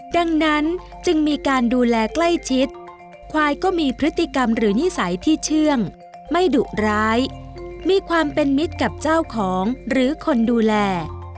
ดังนั้นจึงมีการดูแลใกล้ชิดควายก็มีพฤติกรรมหรือนิสัยที่เชื่องไม่ดุร้ายมีความเป็นมิตรกับเจ้าของหรือคนดูแล